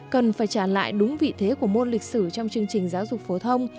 cần phải trả lại đúng vị thế của môn lịch sử trong chương trình giáo dục phổ thông